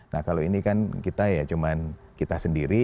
nah kalau ini kan kita ya cuma kita sendiri